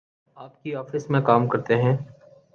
آپ کی آفس میں کام کرتے ہیں۔